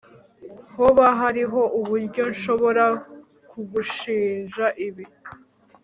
Hoba hariho uburyo nshobora kugushinja ibi